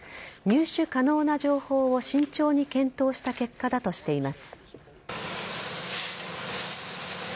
入手可能な情報を慎重に検討した結果だとしています。